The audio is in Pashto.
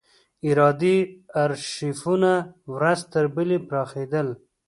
اداري ارشیفونه ورځ تر بلې پراخېدل.